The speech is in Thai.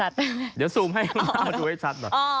เดี๋ยวซูมให้ล่างดูให้ชัด